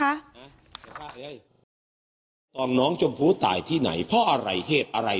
คะสวัสดีค่ะตอนน้องสมผู้ตายที่ไหนเพราะอะไรเหตุอะไร